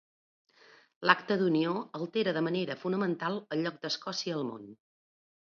L'Acta d'Unió alterà de manera fonamental el lloc d'Escòcia al món.